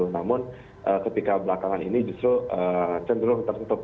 namun ketika belakangan ini justru cenderung tertutup